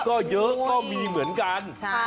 ก็เยอะก็มีเหมือนกัน